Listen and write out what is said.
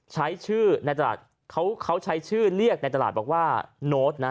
ใช้ชื่อในตลาดเขาใช้ชื่อเรียกในตลาดบอกว่าโน้ตนะ